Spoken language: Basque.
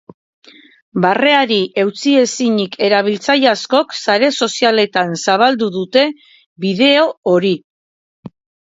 Barreari eutsi ezinik erabiltzaile askok sare sozialetan zabaldu dute bideo hori.